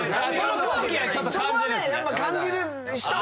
そこはねやっぱ感じる人は。